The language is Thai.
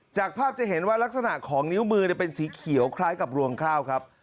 จากภาพจะเห็นว่ารักษณะของนิ้วมือเป็นสีเขียวคล้ายกับรวงข้าวครับ